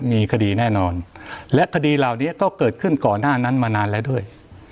มีคดีแน่นอนและคดีเหล่านี้ก็เกิดขึ้นก่อนหน้านั้นมานานแล้วด้วย